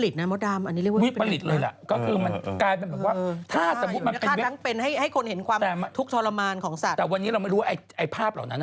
ถ้าทั้งเป็นให้คนเห็นความทุกข์ทรมานของสัตว์แต่วันนี้เราไม่รู้ว่าไอ้ภาพเหล่านั้น